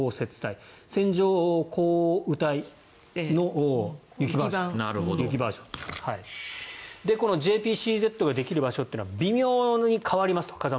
帯線状降水帯の雪バージョンこのＪＰＣＺができる場所は風向きで微妙に変わりますと。